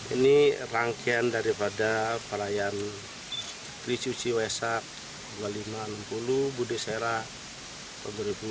ini rangkaian daripada perayaan tri suci waisak dua ribu lima ratus enam puluh buddha serak dua ribu enam belas